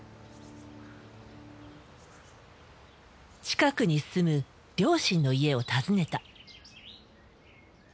近くに住む両親の家を訪ねた。